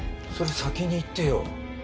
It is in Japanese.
それ先に言ってよ。